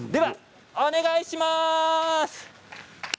お願いします！